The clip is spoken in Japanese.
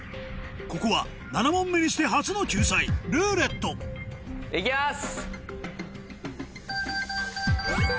ここは７問目にして初の救済「ルーレット」いきます！